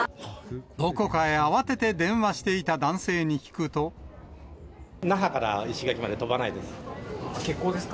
どこかへ慌てて電話していた那覇から石垣まで飛ばないで欠航ですか？